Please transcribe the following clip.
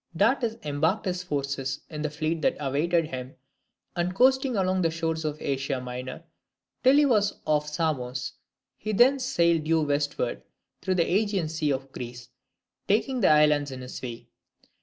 Datis embarked his forces in the fleet that awaited them; and coasting along the shores of Asia Minor till he was off Samos, he thence sailed due westward through the AEgean Sea for Greece, taking the islands in his way.